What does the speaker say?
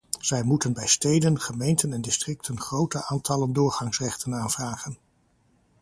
Zij moeten bij steden, gemeenten en districten grote aantallen doorgangsrechten aanvragen.